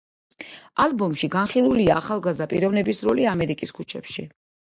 ალბომში განხილულია ახალგაზრდა პიროვნების როლი ამერიკის ქუჩებში.